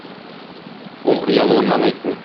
Ул оялуыннан әйтми.